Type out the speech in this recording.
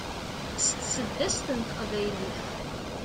s tseddast n teqbaylit